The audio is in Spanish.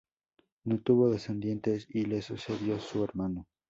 No tuvo descendientes y le sucedió su hermano.